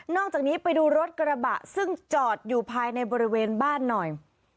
จากนี้ไปดูรถกระบะซึ่งจอดอยู่ภายในบริเวณบ้านหน่อย